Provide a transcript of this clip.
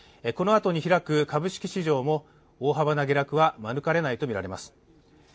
このあとに開く株式市場も大幅な下落は免れないと思われます。